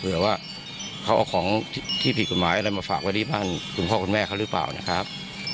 ว่าเขาเอาของที่ผิดกฎหมายอะไรมาฝากไว้ที่บ้านคุณพ่อคุณแม่เขาหรือเปล่านะครับ